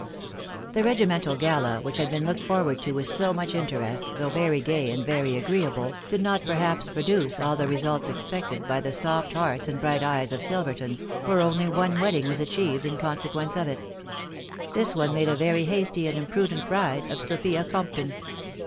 Tmb regimental gala which had been looked forward to with so much interest, though very gay and very agreeable, did not perhaps produce aty the results expected by the soft hearts and bright eyes of Srtvertou, for only one wedding was achieved in consequence of it. This one made a very hasty and impru dent bride of Sophia Compton.